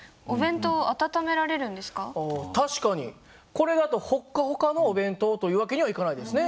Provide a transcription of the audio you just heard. これだとほっかほかのお弁当という訳にはいかないですね。